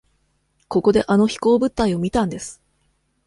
ここであの飛行物体を見たんです。